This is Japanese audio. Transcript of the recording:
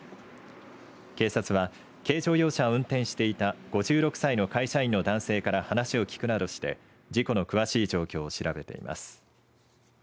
警察は、軽乗用車を運転していた５６歳の会社員の男性から話を聞くなどして事故の詳しい状況を調べています。